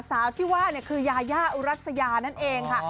สาวที่ว่าคือยายาอุรัสยานั่นเองค่ะ